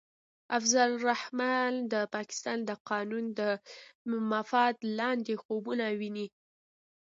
فضل الرحمن د پاکستان د قانون تر مفاد لاندې خوبونه ویني.